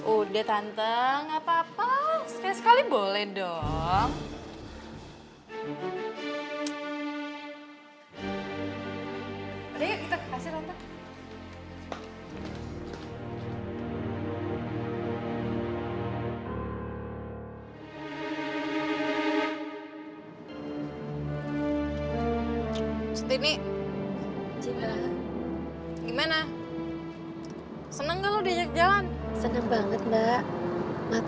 udah tante enggak apa apa